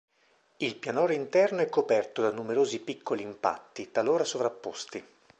Il pianoro interno è coperto da numerosi piccoli impatti, talora sovrapposti.